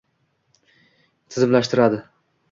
tizimlashtiradi.